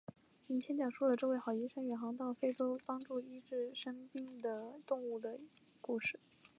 影片讲述了这位好医生远航到非洲帮助医治生病的动物的故事。